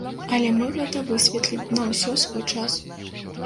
Але мы гэта высветлім, на ўсё свой час.